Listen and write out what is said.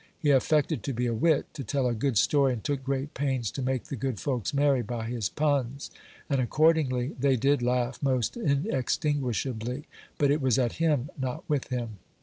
He affected to be a wit, to tell a good story, and took great pains to make the good folks merry by his puns ; and accordingly they did laugh most inextinguishably ; but it was at him, not with him.